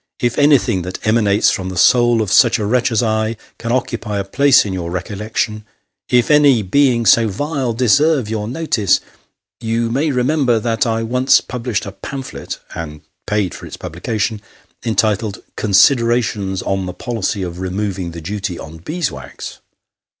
If anything that emanates from the soul of such a wretch as I, can occupy a place in your recollection if any being, so vile, deserve your notice you may remember that I once published a pamphlet (and paid for its publication) entitled ' Considerations on the Policy of Removing the Duty on Bees' wax.'